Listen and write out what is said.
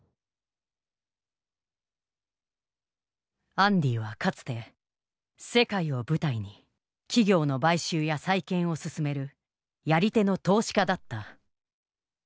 アンディはかつて世界を舞台に企業の買収や再建を進めるやり手の投資家だった。